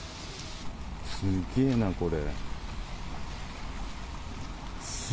すげえな、これ。